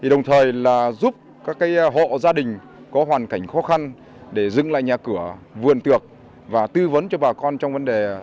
đồng thời giúp các hộ gia đình có hoàn cảnh khó khăn để dựng lại nhà cửa vườn tược và tư vấn cho bà con trong vấn đề